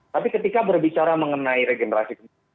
tapi ketika berbicara mengenai regenerasi kebijakan